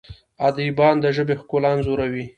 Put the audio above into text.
ادیبان د ژبې ښکلا انځوروي.